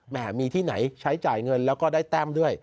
มีที่ไหนใช้จ่ายเงินแล้วก็ได้แต้มด้วย